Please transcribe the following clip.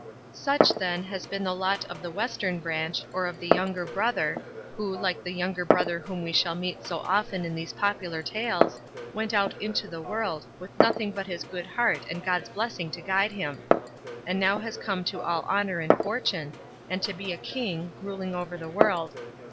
Such, then, has been the lot of the Western branch, of the younger brother, who, like the younger brother whom we shall meet so often in these Popular Tales, went out into the world, with nothing but his good heart and God's blessing to guide him; and now has come to all honour and fortune, and to be a king, ruling over the world.